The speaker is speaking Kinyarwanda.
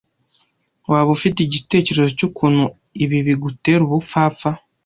Waba ufite igitekerezo cyukuntu ibi bigutera ubupfapfa?